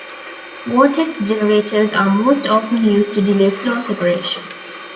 Vortex generators are most often used to delay flow separation.